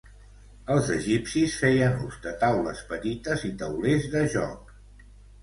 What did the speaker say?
Els egipcis feien ús de taules petites i taulers de joc.